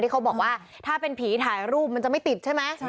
เขาบอกว่าถ้าเป็นผีถ่ายรูปมันจะไม่ติดใช่ไหม